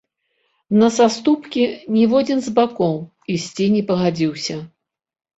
На саступкі ніводзін з бакоў ісці не пагадзіўся.